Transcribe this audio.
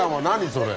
それ。